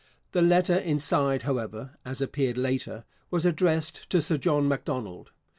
The letter inside, however, as appeared later, was addressed to Sir John Macdonald.